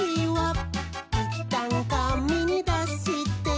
「いったんかみに出して」